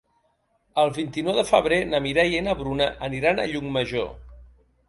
El vint-i-nou de febrer na Mireia i na Bruna aniran a Llucmajor.